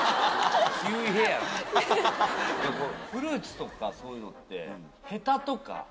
フルーツとかそういうのって。